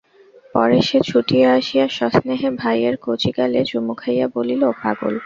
পরে সে ছুটিয়া আসিয়া সস্নেহে ভাই-এর কচি গালে চুমু খাইয়া বলিল, পাগল!